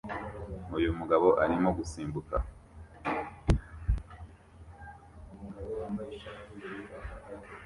Uyu mugabo arimo gusimbuka